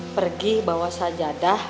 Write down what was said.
pergi bawa sajadah